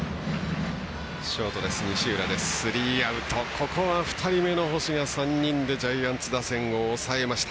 ここは２人目の星が３人でジャイアンツ打線を抑えました。